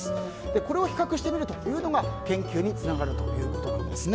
これを比較してみるというのが研究につながるということなんです。